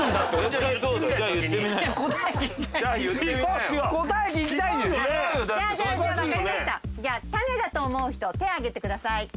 じゃあ種だと思う人手挙げてください。